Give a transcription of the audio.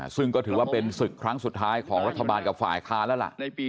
ซึ่งก็ถือว่าเป็นศึกครั้งสุดท้ายของรัฐบาลกับฝ่ายค้านแล้วล่ะ